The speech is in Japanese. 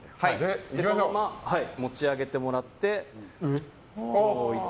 このまま持ち上げてもらってグッと置いて。